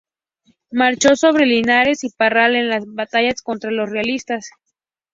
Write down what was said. Marchó sobre Linares y Parral en las batallas contra los realistas.